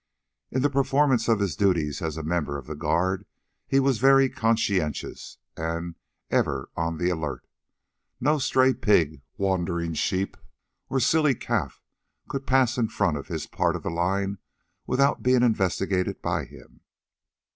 In the performance of his duties as a member of the guard he was very conscientious and ever on the alert. No stray pig, wandering sheep, or silly calf could pass in front of his part of the line without being investigated by him.